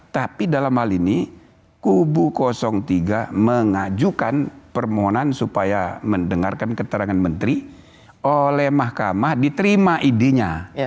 tapi dalam hal ini kubu tiga mengajukan permohonan supaya mendengarkan keterangan menteri oleh mahkamah diterima idenya